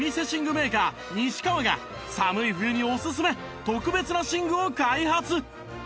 メーカー西川が寒い冬におすすめ特別な寝具を開発！